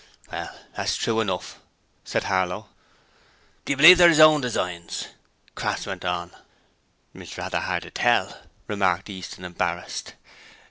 'Yes; that's true enough,' said Harlow. 'Do you believe they're 'is own designs?' Crass went on. 'Be rather 'ard to tell,' remarked Easton, embarrassed.